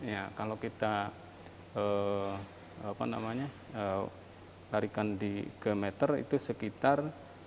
ya kalau kita larikan di kilometer itu sekitar